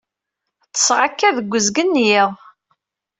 Ṭṭseɣ akka deg uzgen n yiḍ.